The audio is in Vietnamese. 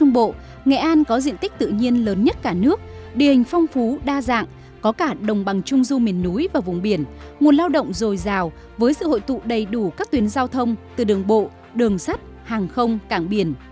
nghệ an có diện tích tự nhiên lớn nhất cả nước địa hình phong phú đa dạng có cả đồng bằng trung du miền núi và vùng biển nguồn lao động dồi dào với sự hội tụ đầy đủ các tuyến giao thông từ đường bộ đường sắt hàng không cảng biển